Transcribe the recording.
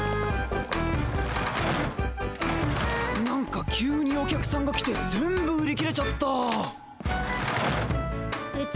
何か急にお客さんが来て全部売り切れちゃった。